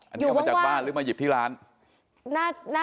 อันนี้เอามาจากบ้านหรือมาหยิบที่ร้าน